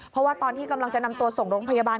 เพราะว่าตอนที่กำลังจะนำตัวส่งโรงพยาบาล